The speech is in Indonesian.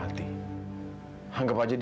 kau dengan sensei semua whahaca